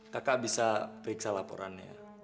kakak bisa periksa laporannya